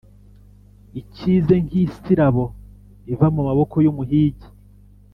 ikize nk’isirabo iva mu maboko y’umuhigi,